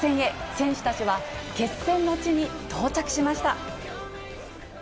選手たちは決戦の地に到着しました。